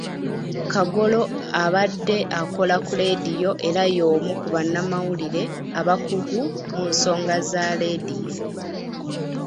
Kagolo abadde akola ku leediyo era y'omu ku bannamawulire abakugu mu nsonga za leediyo.